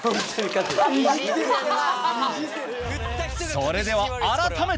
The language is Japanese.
それでは改めて！